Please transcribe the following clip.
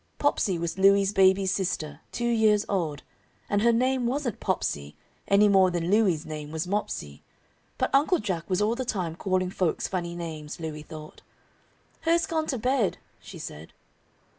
Popsey was Louie's baby sister, two years old, and her name wasn't Popsey any more than Louie's name was Mopsey, but Uncle Jack was all the time calling folks funny names, Louie thought. "Her's gone to bed," she said.